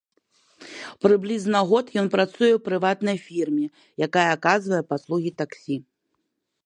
Прыблізна год ён працуе ў прыватнай фірме, якая аказвае паслугі таксі.